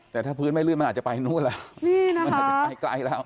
แต่ถ้าพื้นไม่ลื่นมันอาจจะไปนู่นแล้วนี่นะมันอาจจะไปไกลแล้ว